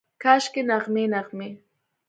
کاشکي، نغمې، نغمې